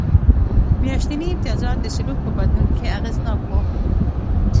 میاشتني امتیازات د سلوک په بدلون کې اغېزناک و.